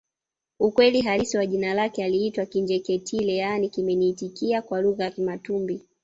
Ukweli halisi wa jina lake aliitwa Kinjeketile yaani kimeniitikia kwa lugha ya Kimatumbi